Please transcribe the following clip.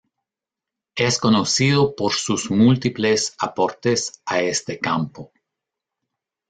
Es conocido por sus múltiples aportes a este campo.